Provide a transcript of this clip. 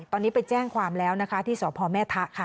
ตอนนี้ไปแจ้งความแล้วนะคะที่สพแม่ทะค่ะ